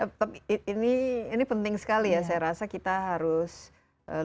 lebih dalam lagi mengenai kira kira penyakit atau jenis jenis penyakit ya yang kita tahu sekarang ya